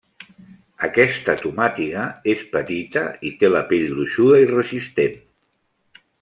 Aquesta tomàtiga és petita i té la pell gruixada i resistent.